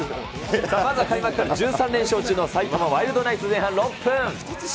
まずは開幕から１３連勝の埼玉ワイルドナイツ、前半６分。